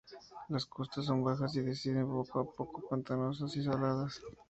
Las costas son bajas y descienden poco a poco, pantanosas y saladas.